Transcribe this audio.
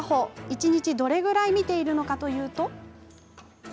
一日にどれくらい見ているのかといいますと。